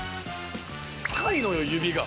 深いのよ指が。